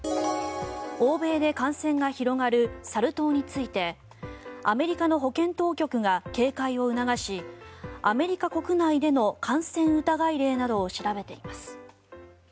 欧米で感染が広がるサル痘についてアメリカの保健当局が警戒を促しアメリカ国内での感染疑い例などを調べています。